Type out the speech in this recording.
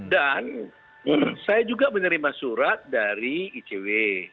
dan saya juga menerima surat dari icw